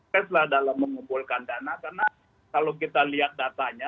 kita adalah mengumpulkan dana karena kalau kita lihat datanya